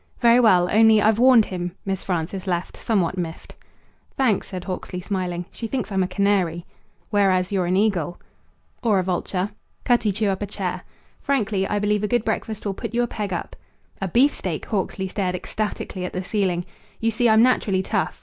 "Very well. Only, I've warned him." Miss Frances left, somewhat miffed. "Thanks," said Hawksley, smiling. "She thinks I'm a canary." "Whereas you're an eagle." "Or a vulture." Cutty chew up a chair. "Frankly, I believe a good breakfast will put you a peg up." "A beefsteak!" Hawksley stared ecstatically at the ceiling. "You see, I'm naturally tough.